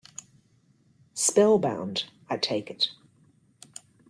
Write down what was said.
Spell-bound, I take it.